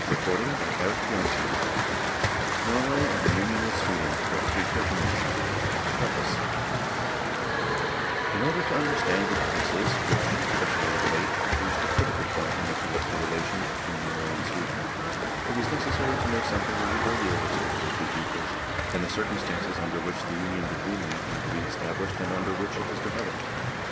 C., AND BUNGAY, SUFFOLK. First Edition, June, 1905 Reprinted June and July, 1905 Stack PREFACE Ix order to understand the differences, which, especially of late, have reached a critical point in the political relations between Norway and Sweden, it is necessary to know something of the earlier history of the two peoples, and the circumstances under which the Union between them came to be established and under which it has developed.